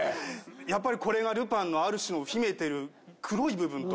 やっぱりこれがルパンのある種の秘めてる黒い部分というか。